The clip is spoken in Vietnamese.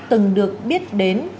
từng được biết đến